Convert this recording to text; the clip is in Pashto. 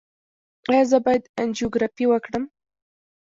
ایا زه باید انجیوګرافي وکړم؟